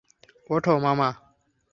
ওঠো, মামা!